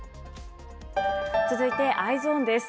続いて、Ｅｙｅｓｏｎです。